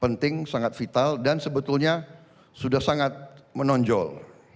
penting sangat vital dan sebetulnya sudah sangat menonjol